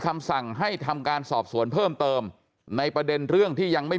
คำสั่งให้ทำการสอบสวนเพิ่มเติมในประเด็นเรื่องที่ยังไม่